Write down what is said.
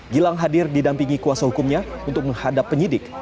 gilang hadir didampingi kuasa hukumnya untuk menghadap penyidik